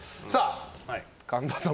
神田さん